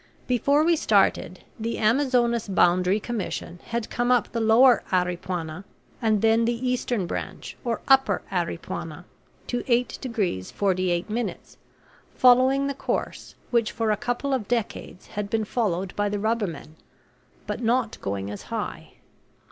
Before we started, the Amazonas Boundary Commission had come up the lower Aripuanan and then the eastern branch, or upper Aripuanan, to 8 degrees 48 minutes, following the course which for a couple of decades had been followed by the rubbermen, but not going as high.